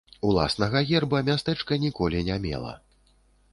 Уласнага герба мястэчка ніколі не мела.